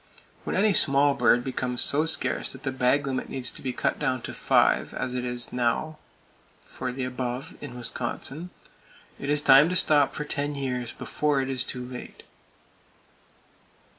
When any small bird becomes so scarce that the bag limit needs to be cut down to five, as it now is for the above in Wisconsin, it is time to stop for ten years, before it is too late.